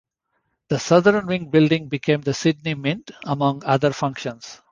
The southern wing building became the Sydney Mint, among other functions.